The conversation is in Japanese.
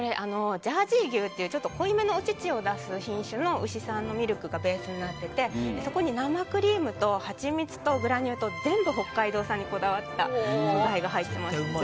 ジャージー牛って濃いめのお乳を出す品種の牛さんのミルクがベースになっててそこに生クリームとハチミツとグラニュー糖全部北海道産にこだわった素材が入っています。